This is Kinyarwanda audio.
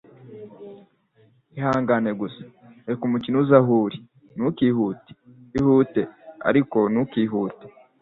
Ihangane gusa. Reka umukino uze aho uri. Ntukihute. Ihute, ariko ntukihute. ”